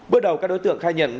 bước đầu các đối tượng khai nhận